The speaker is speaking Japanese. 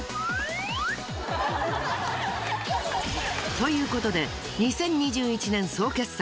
ということで２０２１年総決算